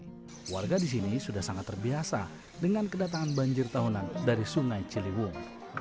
pembelajaran ini sudah sangat terbiasa dengan kedatangan banjir tahunan dari sungai ciliwung